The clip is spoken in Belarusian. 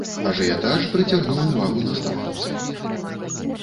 Ажыятаж прыцягнуў увагу настаўніцы.